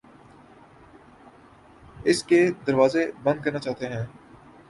اس کے دروازے بند کرنا چاہتے ہیں